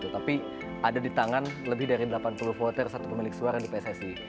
tapi ada di tangan lebih dari delapan puluh voter satu pemilik suara di pssi